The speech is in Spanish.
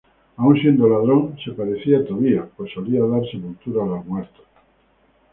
Aun siendo ladrón, se parecía a Tobías, pues solía dar sepultura a los muertos.